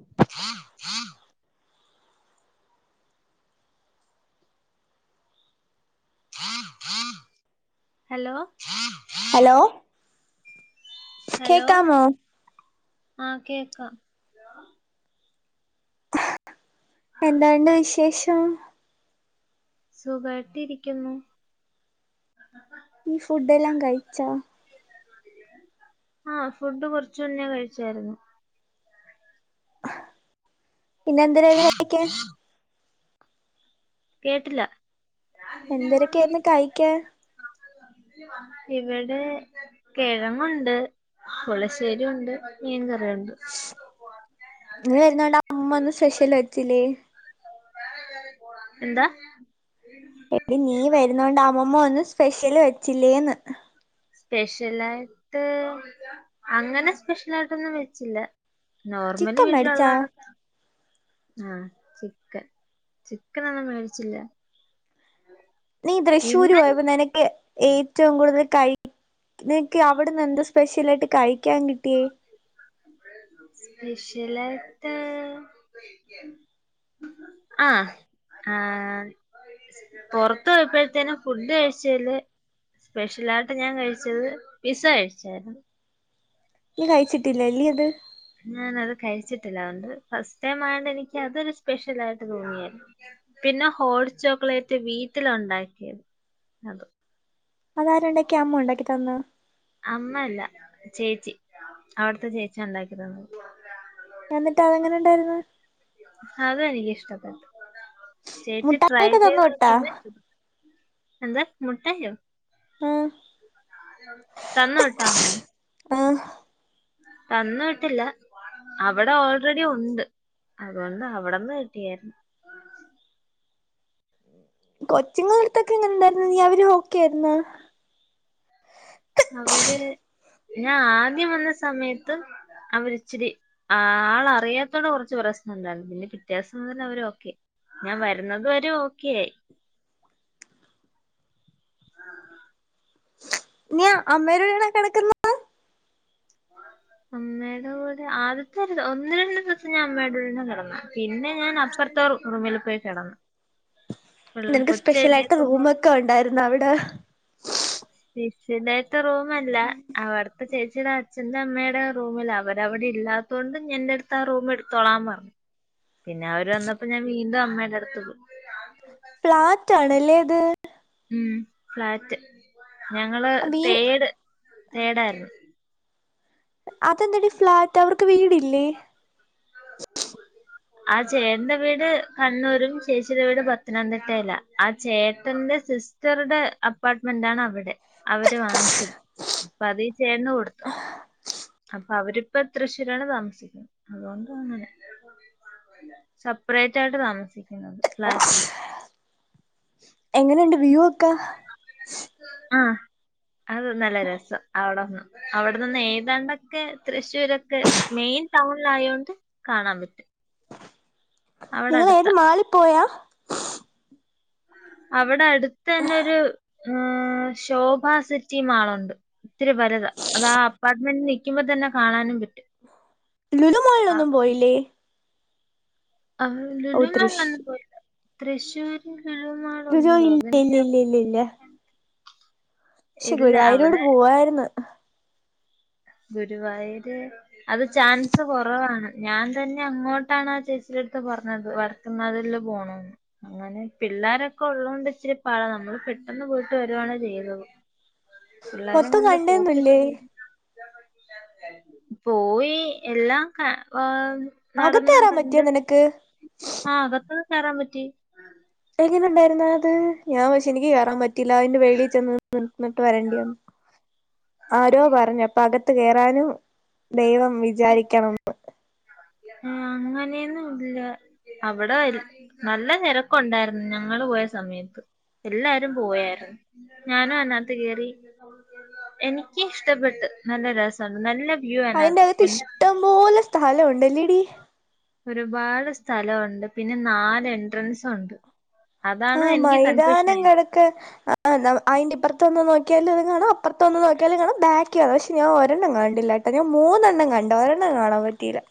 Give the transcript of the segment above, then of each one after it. [unintelligible] Hello! Hello! കേക്കാമോ? ആ കേക്കാം. എന്തുണ്ട് വിശേഷം? സുഖായിട്ട് ഇരിക്കുന്നു. നീ ഫുഡേല്ലാം കഴിച്ചോ? ആഫുഡ് കൊറച്ച് മുന്നേ കഴിച്ചായിരുന്നു. പിന്നെ എന്തി [unintelligible] കേട്ടില്ല. എന്തരൊക്കെയായിന്ന് കഴിക്കാൻ ഇവിടെ കെഴങ്ങുണ്ട്, പുളശ്ശേരിണ്ട്, മീൻകറി നീ വരുനോണ്ടാ [unintelligible] സ്പെഷ്യൽ ചിലേ എന്താ? എടി നീ വരുന്നോണ്ട് അമമ്മ ഇന്ന് സ്പെഷ്യല് വെച്ചില്ലേന്ന് സ്പെഷ്യലായിട്ട് അങ്ങനെ സ്പെഷ്യൽ ആായിട്ടൊന്നും വെച്ചില്ല. നോർമലി ചിക്കൻ മേടിച്ചാ വീട്ടിലുള്ളാണ്. ആ ചിക്കൻ ചിക്കനൊന്നും മേടിച്ചില്ലാ. നീ തൃശ്ശൂര് പോയപ്പോ നിനക്കെ ഏറ്റവുംകൂടുതൽ കഴി നിക്കെ അവിട്ന്ന് എന്ത് സ്പെഷ്യലായിട്ട് കഴിക്കാൻ കി സ്പെഷ് സ്യലായിട്ട്, അ ആ, പൊറത്ത് പോയപ്പത്തേനും ഫുഡ് കഴിച്ചീല് സ്പെഷ്യലായിട്ട് ഞാൻ കഴിച്ചത് പിസ്സഴിച്ചായ്രുന്നു. ഇ കഴിച്ചിട്ടില്ല ല്ലീ ഇത്? ഞാന അത് കഴിച്ചിട്ടില്ലാണ്ട് ഫസ്റ്റ് ടൈംആയണ്ട് എനിക്ക് അതൊരു സ്പെഷ്യലായിട്ട് തോന്നിയരുന്നു. പിന്നെ ഹോട്ട് ചോക്ലേറ്റ് വീട്ടില്ണ്ടാക്കിയത് അതും. അതാരണ്ടാക്കി, അമ്മുണ്ടാക്കി തന്നൊ? അമ്മ അല്ല ചേച്ചി അവിടുത്തെ ചേച്ചിണ്ടാക്കി തന്നത്. എന്നിട്ട് അതെങ്ങനെണ്ടായിരുന്നു? അതെനിക്ക് ഇഷ്ടപെട്ടു. ചേച്ചി ട്രൈ മുട്ടായിയൊക്കെ ചെയ്ത് തന്നു വിട്ടാ നോക്കിയതെ ഷ്ടപ്പെട്ടു എന്ത് മുട്ടായോ? ആഹ് തന്ന്‌ വിട്ടാന്നോ? ആഹ് തന്നു വിട്ടില്ല അവിടെ ഓൾറെഡി ഉണ്ട് അതുകൊണ്ട് അവിടന്ന് കിട്ടിയായിരുന്നു കൊച്ചുങ്ങള്‍ടെ എടുത്ത് ഒക്കെ എങ്ങനെ ഇണ്ടാരുന്നു നീയും അവരും ഓക്കെയായിരുന്നോ? അവര് ഞാൻ ആദ്യം വന്ന സമയത്ത് അവരിച്ചിരി ആൾ അറിയാത്തോണ്ട് കുറച്ച് പ്രശ്നംണ്ടായിരുന്നു പിന്നെ പിറ്റേ ദിവസം മുതൽ അവര് ഓക്കെ ആയി ഞാൻ വരുന്നത് വരെ ഓക്കെ ആയി നീ അമ്മേടെ കൂടെ ആണോ കിടക്കുന്നത്? അമ്മടെ കൂടെ ആദ്യത്തെ ഒരു ഒന്ന് രണ്ട് ദിവസം ഞാൻ അമ്മേടെ കൂടെ കെടന്നു പിന്നെ ഞാൻ അപ്പുറത്തെ റൂമില് പോയി കെടന്നു നിനക്ക് സ്പെഷ്യൽ ആയിട്ട് റൂം ഒക്കെ ഒണ്ടായിരുന്നോ അവിടെ? [unintelligible] [unintelligible] റൂമല്ല അവട് ഇപ്പൊ ചേച്ചിടെ അച്ഛന്റെ അമ്മേടെ റൂമിലാ അവര് അവിടെ ഇല്ലാത്തോണ്ട് എന്റെ അടുത്ത് ആ റൂം എടുത്തോളാൻ പറഞ്ഞു പിന്നെ അവര് വന്നപ്പോ ഞാൻ വീണ്ടും അമ്മേടെ അടുത്ത് പോയി. ഫ്ളാറ്റ് ആണല്ലേ അത്? ഉം ഫ്ലാറ്റ്. ഞങ്ങള് വീ തേട് തേടാരുന്നു. അതെന്താടി ഫ്ലാറ്റ് അവർക്ക് വീടില്ലേ? ആ ചേട്ടന്റെ വീട് കണ്ണൂരും ചേച്ചിയുടെ വീട് പത്തനംതിട്ടെലാ ആ ചേട്ടന്റെ സിസ്റ്ററുടെ അപ്പാർട്ട്മെന്റ് ആണ് അവിടെ അവര് വാങ്ങിച്ചു അപ്പ അത് ഈ ചേട്ടന് കൊടുത്തു അപ്പൊ അവരിപ്പ തൃശ്ശൂരാണ് താമസിക്കുന്നത് അതുകൊണ്ട് സപ്പറേറ്റ് ആയിട്ട് താമസിക്കുന്നത് ഫ്ളാറ്റില് എങ്ങനെയുണ്ട് വ്യൂ ഒക്കെ ആ അത് നല്ല രസം അവിടെന്ന് അവിടെ നിന്ന് ഏതാണ്ടൊക്കെ തൃശ്ശൂരൊക്കെ മെയിൻ ടൗണിലായൊണ്ട് കാണാൻ പറ്റും അവിടെ നിങ്ങള്‍ അടുത്ത ഏതു മാളി പോയാ അവിടെ അടു- തന്നൊരു [unintelligible] ശോഭ സിറ്റി മാളുണ്ട് ഇത്തിരി വലുത അതാ അപ്പാർട്ട് മെന്റി നിൽക്കുമ്പോ തന്നെ കാണാനും പറ്റും ആ- ലുലുമാളിലൊന്നും പോയില്ലേ ആ ഓ ലുലു തൃശ് മാളിലൊന്നും പോയില്ല തൃശ്ശൂരില്‍ ലുലു ഇല്ല ഇല്ല ഇല്ല ഇല്ല ഇല്ല പക്ഷെ ഇല്ല അവിടെ ഗുരുവായൂരൂടെ പോവാരുന്നു ഗുരുവായൂര് അത് ചാൻസ് കുറവാണ് ഞാൻ തന്നെ അങ്ങോട്ടാണ് ആ ചേച്ചിടെ ടുത്ത് പറഞ്ഞത് വടക്കുംനാഥനില് പോണംന്ന് അങ്ങനെ പിള്ളോരൊക്കെ ഉള്ളതോണ്ട് ഇച്ചിരി പാടാ നമ്മള് പെട്ടെന്ന് പോയിട്ട് വരു ആണെ ചെയുന്നത് പിള്ളാരെ മൊത്തം കൊണ്ട് പോക്ക് കണ്ടേന്നില്ലേ ശരിയാ പോയി എല്ലാം ക്ക ഹ് അകത്തേറാൻ പറ്റിയോ നിനക്ക്? കേറാം പറ്റി. എങ്ങനുണ്ടായിരുന്ന് അത് ഞാൻ പഷേ എനിക്ക് കേറാൻ പറ്റ റ്റില അയിൻ്റെ വെളി ചെന്ന് ന് നിന്നിട്ട് വരേണ്ടി വന്ന് ആരോ പറഞ്ഞു അപ്പ അക ത്ത് കേറാനും ദൈവം വിചാരിക്കണം ന്ന് ആഹ് അങ്ങനെന്നും ഇല്ല അവടെ എ നല്ല തെരക്കുണ്ടായിരുന്നു ഞങ്ങള് പോയ സമയത്ത് എല്ലാരും പോയാരുന്നു ഞാന അയിനകത്ത് കേറി എനിക്ക് ഇഷ്ടപ്പെട്ട് നല്ല രസമുണ്ട് നല്ല വ്യൂ അയിന്റെ അതിനകത്ത് അകത്ത് പിന്നെ ഇഷ്ടം പോലെ സ്ഥലോണ്ട് ഇല്ലെടി? ഒരുപാട് സ്ഥലം ഒണ്ട് പിന്നെ നാല് എൻട്രൻസ് ഉണ്ട്. അതാണ് ആഹ് എനിക്ക് കൺഫ്യൂഷൻ മൈതാനം ആയത് കെടക്കെ ആ നമ അയിന്റെ ഇപ്പുറത്തൊന്ന് നോ ക്ക്യാലുംത് കാണാം അപ്പറത്തൊന്ന്നോക്ക്യാലും കാണാം ബാക്കി അതെ പക്ഷേ ഞാ ഒരെണ്ണം കണ്ടില്ലാട്ടാ ഞാൻ മൂന്നണ്ണം കണ്ടൊരെണ്ണം കാണാൻ പറ്റീല്ല.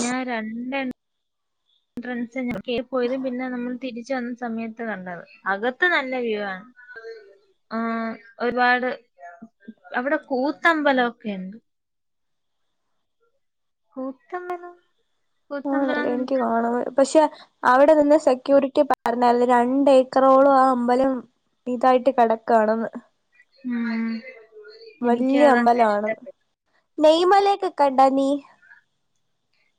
ഞാൻ രണ്ട് എൻഡ്രൻസെന്നെ ഉള്ളൂ. കേറി പോയത് പിന്നെ നമ്മൾ തിരി തിരിച്ചുവന്നസമയത്ത് കണ്ടത് അകത്ത് നല്ല വ്യൂ ആണ് ആ ഒരുപാട് അവിടെ കൂത്തമ്പലമൊക്കെ ഉണ്ട്. കൂത്തമ്പലം. കൂത്തമ്പലം ആണല്ലേ എനിക്ക് നമുക്ക് കാണണം പക്ഷെ. അവിടെ നിന്ന് സെക്യൂരിറ്റി പറഞ്ഞ് രണ്ട് ഏക്കറോളം ആ അമ്പലം ഇതായിട്ട് കിടക്കണെന്ന്. ഉം എനിക്ക് അതാണ് ഇഷ്ടപ്പെട്ട നെയ്മലേക്ക് കണ്ട നീ.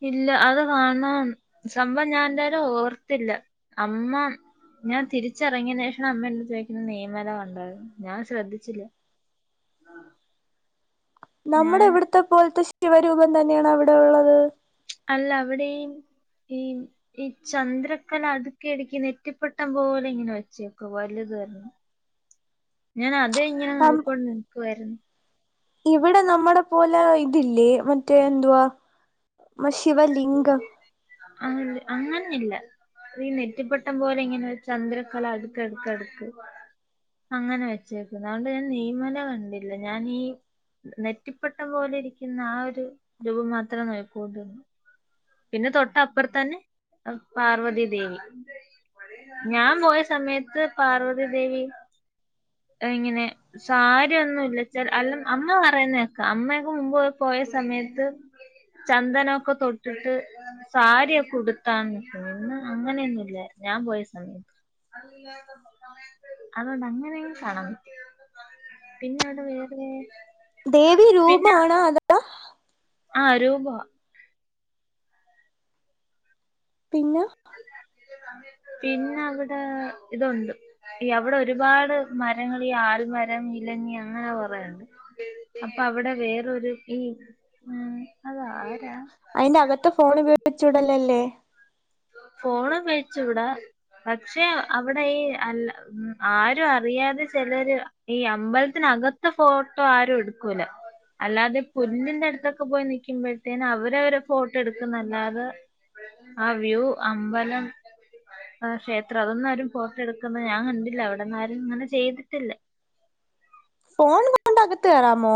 ഇല്ല അത് കാണണം സംഭവം ഞാൻ എന്തായാലും ഓർത്തില്ല അമ്മ ഞാൻ തിരിച്ചറങ്ങിയന് ശേഷം അമ്മ എന്റെ അടുത്ത് ചോദിക്കുന്ന നെയ്യ്മല കണ്ടായിരുന്നോന്ന് ഞാൻ ശ്രദ്ധിച്ചില്ല. നമ്മടെ ഞാൻ ഇവ്ടത്തെ പോൽത്തെ ശ് ശിവ രൂപം തന്നെയാണോ അവിടെള്ളത്? അല്ല അവിടെയും ഈ ഈ ചന്ദ്രക്കല അടുക്കി അടുക്കി നെറ്റിപ്പെട്ടം പോലെ ഇങ്ങനെ വെച്ചേക്കെ വലുതൊരണ്ണം ഞാന ഇത് ഇങ്ങനെ നം നോക്കികൊണ്ട് നിക്കുവായിരുന്നു. ഇവിടെ നമ്മടെ പോലെ ഇതില്ലേ മറ്റേ എന്തുവാ ശിവലിംഗം. അ അങ്ങനൊന്നില്ല. ഈ നെറ്റിപ്പട്ടം പോലെ ഇങ്ങനെ ചന്ദ്രക്കല അടുക്ക് അടുക്ക് അടുക്ക് അങ്ങനെ വെച്ചേക്ക്ന്നെ. അതുകൊണ്ട് ഞൻ നെയ്മല കണ്ടില്ല. ഞാനീ നെറ്റിപ്പട്ടം പോലെ ഇരിക്കുന്ന ആ ഒരു രൂപം മാത്രം നോക്കിക്കോണ്ട്ന്ന്. പിന്നെ തൊട്ടപ്പർത്തന്നെ പാർവതി ദേവി. ഞാ പോയ സമയത്ത് പാർവതി ദേവി ഇങ്ങനെ സാരിയൊ ന്നും ഇല്ലച്ചാൽ അല്ലം അമ്മ പറയ്ന്നേക്കാം അമ്മയൊക്കെ മുമ്പ് പോയ സമയത്ത് ചന്ദനൊക്കെ തൊ ട്ട്ട്ട് സാരിയൊക്കെ ഉടുത്താ നിക്കുന്നു. ഇന്ന് അങ്ങനെയൊന്നുല്ല ഞാൻ പോയ സമയത്ത്. അതൊണ്ട് അങ്ങനെയും കാണാൻപറ്റി. പിന്നെ അവിടെ വേറെ ദേവി പിന്നെ രൂപാണോ അതാ ആ രൂപാ പിന്ന പിന്ന അവടാ ഇതുണ്ട് അവിടെ ഒരുപാട് മരങ്ങള് ഈ ആൽമരം, ഇലഞ്ഞി അങ്ങനെ കൊറേണ്ട്. അപ്പൊ അവടെ വേറൊരു ഈ അതാ അയിന്റെ അകത്ത് ഫോണു വെച്ചൂടല്ലല്ലേ. ഫോണുപയോഗിച്ചൂടാ. പക്ഷെ അവിടെ ഈ അല്ല ആരും അറിയാതെ ചെലര് ഈ അമ്പൽ ത്തിനകത്ത ഫോട്ടോ ആരും ഇട് ക്കൂല. അല്ലാതെ പുല്ലിന്റെ അട് ത്തൊക്കെ പോയി നിക്ക്മ്പഴത്തേന അവരവര് ഫോട്ടോ എടുക്കുന്നല്ലാതെ ആ വ്യൂ അമ്പലം ക്ഷേത്രം അതൊന്നും ആരും ഫോട്ടൊ എട്ക്ന്നത് ഞാൻ കണ്ടില്ല അവിടോന്നും ആരും ഇങ്ങനെ ചെയ്തിട്ടില്ല മോ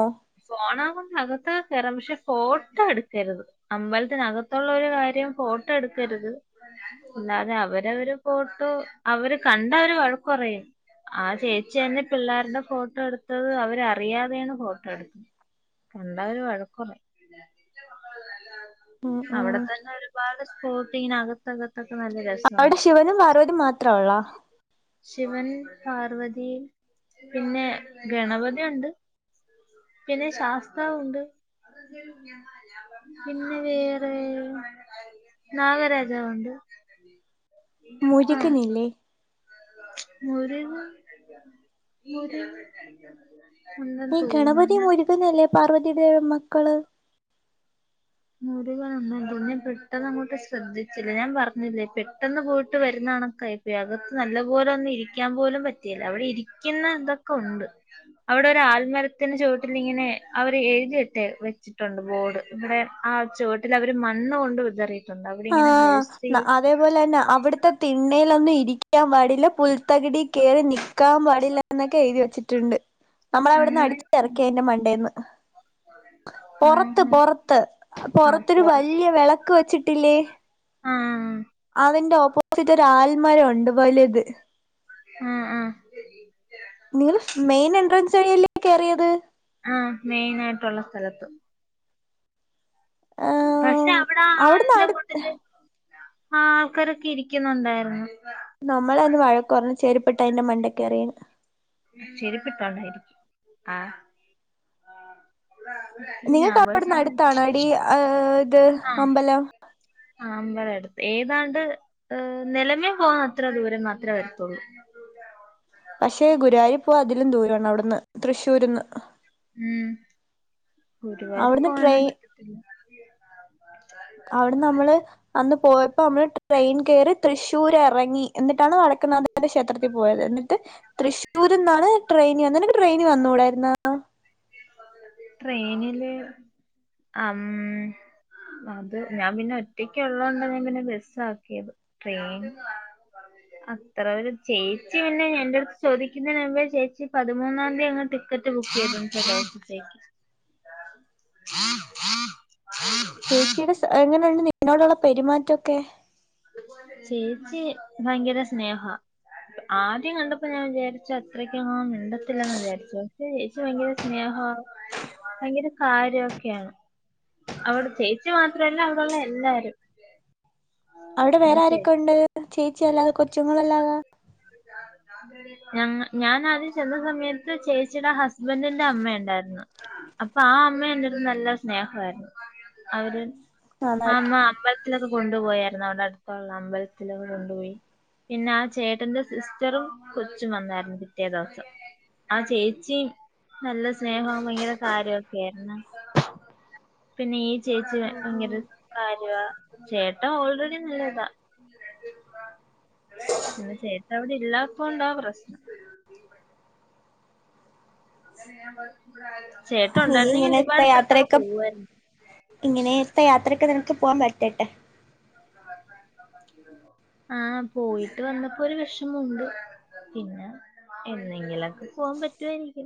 ഫോണാ കൊണ്ട് അകത്തൊക്കെ കെറാം പക്ഷെ ഫോട്ടോ എട്ക്കര്ത് അമ്പലത്തിനകത്തോള്ള ഒരു കാര്യം ഫോട്ടോ എട്ക്കര്ത് അല്ലാതെ അവരവര് ഫോട്ടോ അവര് കണ്ടാ അവര് വഴക്ക് പറയും ആ ചേച്ചിന്നെ പിള്ളേരുടെ ഫോട്ടോ എട്ത്തത് അവരറിയാതെയാണ് ഫോട്ടോ എട് കണ്ടാല് വഴക്കൊറയും ഉം ഉം അവിടെ തന്നെ ഒരുപാട് പോട്ട് ഇങ്ങനെ അകത്തൊക്കെ അവിടെ ശിവനും പർവതിയും മാത്രേ ഉള്ളോ? ശിവൻ പാർവതി പിന്നെ ഗണപതി ഉണ്ട്. പിന്നെ ശാസ്താവുണ്ട് പിന്നെ വേറെ നാഗരാജാവുണ്ട്. ആ മുരുകനില്ലേ? മുരുകൻ മുരുകൻ ഉണ്ടെന്ന് ഈ തോന്നുന്നു ഗണപതി മുരുകനല്ലേ? പാർവതിദേവിടെ മക്കള്? മുരുകൻ ഉണ്ടെന്ന് തോന്നുന്നു ഞാൻ പെട്ടെന്ന് അങ്ങോട്ട് ശ്രദ്ധിച്ചില്ല. ഞാൻ പറഞ്ഞില്ലേ പെട്ടെന്ന് പോയിട്ട് വരുന്ന കണക്കാ ഇപ്പ അകത്ത് നല്ല പോലെ ഒന്നും ഇരിക്കാൻ പോലും പറ്റിയില്ല. അവിടെ ഇരിക്കുന്ന ഇതൊക്കെ ഉണ്ട്. അവിടെ ഒരു ആൽമരത്തിന് ചുവട്ടിലിങ്ങനെ അവർ എഴുതിയിട്ട് വെച്ചിട്ടുണ്ട് ബോർഡ് ഇവിടെ ആ ചുവട്ടിൽ അവര് മണ്ണ് കൊണ്ട് വിതറി ആ അതേപോലെന്നെ അവിടത്തെ തിണ്ണേ ലൊന്നും ഇരിക്കാൻ പാടില്ല പുൽത്തകിടി കേറി നിൽക്കാൻ പാടില്ല എന്നൊക്കെ എഴുതി വെച്ചിട്ടുണ്ട്. നമ്മളെ അവിടുന്ന് അങ്ങനെ അടിച്ചു ഇറക്കി അതിന്റെ മണ്ടേന്ന്. പുറത്ത് ആഹ് പുറത്ത് ആ പുറത്തൊരു പൊറ വലിയ വിളക് ക്ക് വെച്ചി ട്ടില്ലെ ആഹ് അതിന്റെ ഓപ്പോസിറ്റ് ഒരു ആൽമരം ഉണ്ട് വലുത്. ആഹ് ആഹ്. നിങ്ങൾ മെയിൻ എൻട്രൻസ് വഴിയല്ലേ കേറിയത്. ആഹ് മെയിൻ ആയിട്ടുള്ള സ്ഥലത്ത്. പക്ഷെ ഏഹ് അവിട അവിടുന്ന് ആലിന്റ അടു മൂട്ടില് ആഹ് ആൾക്കാരൊക്കെ ഇരിക്കുന്നുണ്ടായിരുന്നു. നമ്മളെ അന്ന് വഴക്കുപറഞ്ഞ് ചെരിപ്പിട്ട് അതിന്റെ മണ്ടെക്കയറിയെന് ചെരിപ്പിട്ടോണ്ടായിരിക്കും ആഹ്. ഞാൻ നിങ്ങക്ക് പോയ അവിടുന്ന് സമയത്ത് അടുത്താണോടീ ഇത് അമ്പലം. അമ്പലം അടുത്ത് ഏതാണ്ട് നിലമേൽ പോകുന്ന അത്ര ദൂരം മാത്രമേ വരത്തുള്ളൂ. പക്ഷെ ഗുരുവായൂർ പോവാ ഇതിലും ദൂരോണ്ട് അവിടുന്ന് തൃശ്ശൂര്ന്ന്. ഉം ഗുരുവായൂർ അവിടുന്ന് പോകാനുള്ള ട്രെയിൻ അവിടെ നമ്മള് അന്ന് പോയപ്പോ നമ്മള് ട്രെയിൻ കയറി തൃശ്ശൂര് ഇറങ്ങി എന്നിട്ടാണ് വടക്കനാഥന്റെ ക്ഷേത്രത്തിൽ പോയത് എന്നിട്ട് തൃശ്ശൂര് നിന്നാണ് ട്രെയിനി വന്നേ നിനക്ക് ട്രെയിനി വന്നു കൂടായിരുന്നാ. ട്രെയിനില് അം അത് ഞാൻ പിന്നെ ഒറ്റക്ക് ഉള്ളോണ്ട ഞാൻ പിന്നെ ബസ് ആക്കിയത് ട്രെയിൻ അത്ര ഒര് ചേച്ചി പിന്നെ എന്റെ അടുത്ത് ചോദിക്കുന്നുമ്പ ചേച്ചി പതിമൂന്നാം തീയതി അ ടിക്കറ്റ് ബുക്ക് ചെയ്തു ദിവസത്തേക്ക് ചേച്ചിയുടെ എങ്ങനെയുണ്ട് നിന്നോടുള്ള പെരുമാറ്റൊക്കെ. ചേച്ചി ഭയങ്കര സ്നേഹ ആദ്യം കണ്ടപ്പോ ഞാൻ വിചാരിച്ച അത്രക്ക് മിണ്ടത്തില്ലന്ന് വിചാരിച്ചു പക്ഷെ ചേച്ചി ഭയങ്കര സ്നേഹ ഭയങ്കര കാര്യമൊക്കെയാണ് അവിടെ ചേച്ചി മാത്രല്ല അവിടൊള്ള എല്ലാരും അവിടെ വേറ ആരക്കെ ഉണ്ട് ചേ ച്ചി അല്ലാതെ കൊച്ചുങ്ങളല്ലാതെ ഞ ഞൻ ആദ്യം ചെന്ന സമയത്ത് ചേച്ചിയുടെ ഹസ്ബന്റിന്റെ അമ്മ ഇണ്ടായിരുന്നു അപ്പൊ ആ അമ്മെ എന്റെട്ത്ത് നല്ല സ്നേഹായിരിന്ന്‌ അവര് ആ അമ്മ നന്നായിരിക്കും അമ്പലത്തില കൊണ്ടുപോയായിരുന്നു അവിടെ അടുത്തുള്ള അമ്പലത്തിലൊക്കെ കൊണ്ടുപോയി പിന്നെ ആ ചേട്ടന്റെ സിസ് റ്ററും കൊച്ചും വന്നായിരുന്നു പിറ്റേ ദിവസം ആ ചേച്ചിയും നല്ല സ്നേഹവും ഭയങ്കര കാര്യൊക്കെ ആയിരുന്നു പിന്നെ ചേച്ചി ഉം ഭയങ്കര ഉം കാര്യാ ചേട്ട ഓൾറെഡി നല്ലതാ പിന്നെ ചേട്ട അവിടെ ഇല്ലാപൊണ്ടാ പ്രശ്നം അങ്ങനെ ഞാൻ വ ഇവിട ഇനി ഇങ്ങനത്തെ യാത്രയൊക്കെ ഇങ്ങനെത്തെ യാത്രയൊക്കെ നിനക്ക് പോകാൻ പ റ്റട്ടെ ആഹ് പോയിട്ട് വന്നപ്പോ ഒരു വിഷമുണ്ട് പിന്നെ എന്നെങ്കിലൊക്കെ പോവാൻ പറ്റുവായിരിക്കും